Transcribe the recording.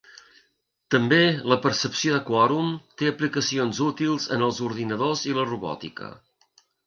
També la percepció de quòrum té aplicacions útils en els ordinadors i la robòtica.